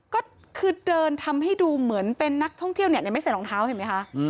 ก็คือเดินทำให้ดูเหมือนเป็นนักท่องเที่ยวเนี่ยไม่ใส่รองเท้าเห็นไหมคะ